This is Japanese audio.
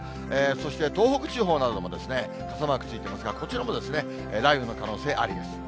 そして、東北地方なども傘マークついてますが、こちらも雷雨の可能性ありです。